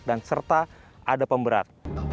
dan serta ada pemberat